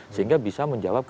sehingga bisa menjawab